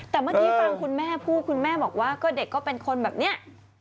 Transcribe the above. แต่เมื่อกี้ฟังคุณแม่พูดคุณแม่บอกว่าก็เด็กก็เป็นคนแบบนี้